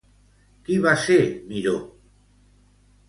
Qui va ser Miró?